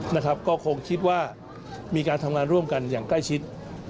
นะครับก็คงคิดว่ามีการทำงานร่วมกันอย่างใกล้ชิด